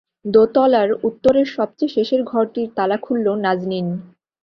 দোতলার উত্তরের সবচেয়ে শেষের ঘরটির তালা খুলল নাজনীন।